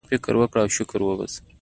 فكر وكره او شكر وباسه!